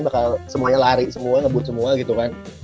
bakal semuanya lari semua ngebut semua gitu kan